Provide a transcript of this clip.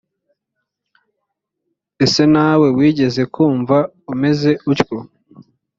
ese nawe wigeze kumva umeze utyo